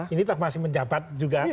ini masih menjabat juga